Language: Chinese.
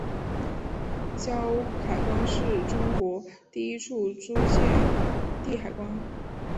胶海关是中国第一处租借地海关。